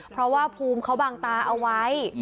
เพราะว่าภูมิเขาบางตาเอาไว้